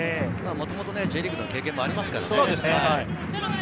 もともとＪリーグの経験がありますからね。